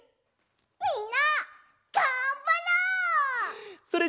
みんながんばろう！